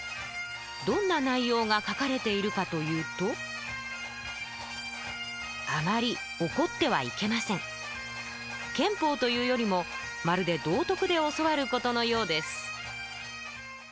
どんな内容が書かれているかというと憲法というよりもまるで道徳で教わることのようです